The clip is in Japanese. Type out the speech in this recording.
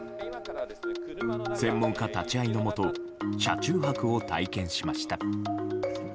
専門家立ち会いのもと車中泊を体験しました。